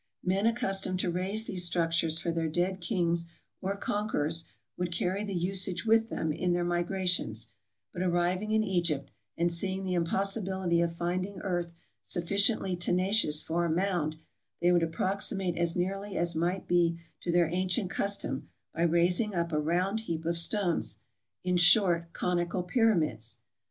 Men accus tomed to raise these structures for their dead kings or con querors would carry the usage with them in their migrations ; but arriving in Egypt, and seeing the impossibility of finding earth sufficiently tenacious for a mound, they would approx imate as nearly as might be to their ancient custom by rais ing up a round heap of stones, in short conical pyramids.